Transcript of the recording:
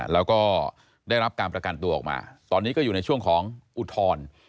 แล้วก็ได้รับการประกันตัวออกมาตอนนี้ก็อยู่ในช่วงของอุทธรณ์